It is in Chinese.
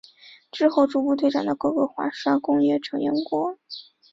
之后逐步推展到各个华沙公约成员国。